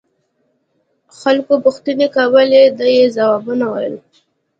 خلقو پوښتنې کولې ده يې ځوابونه ويل.